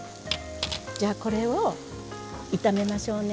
じゃあこれを炒めましょうね。